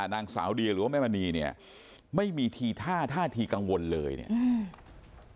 นางสาวเดียหรือว่าแม่มณีเนี่ยไม่มีทีท่าท่าทีกังวลเลยเนี่ยอืม